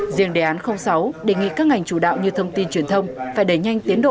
riêng đề án sáu đề nghị các ngành chủ đạo như thông tin truyền thông phải đẩy nhanh tiến độ